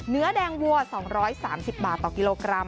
เนื้อแดงวัว๒๓๐บาทต่อกิโลกรัม